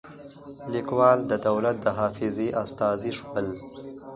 لیکوال د دولت د حافظې استازي شول.